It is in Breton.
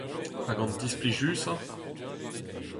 Hag an displijusañ ?